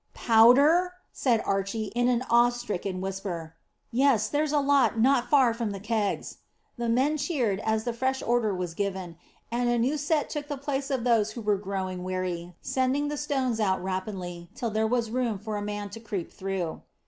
"Powder?" said Archy in an awe stricken whisper. "Yes; there's a lot not far from the kegs." The men cheered, as the fresh order was given, and a new set took the places of those who were growing weary, sending the stones out rapidly, till there was room for a man to creep through.